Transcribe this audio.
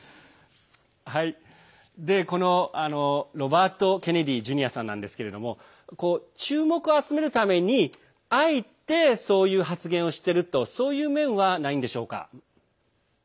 このロバート・ケネディ・ジュニアさんなんですけれども注目を集めるためにあえて、そういう発言をしているとそういう面はないんでしょうか。